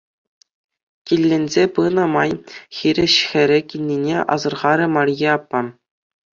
Килленсе пынӑ май хирӗҫ хӗрӗ килнине асӑрхарӗ Марье аппа.